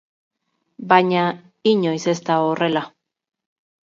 Baina inoiz ez da horrela.